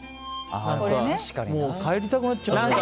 もう帰りたくなっちゃうね。